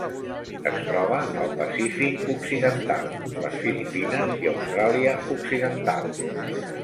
Es troba al Pacífic occidental: les Filipines i Austràlia Occidental.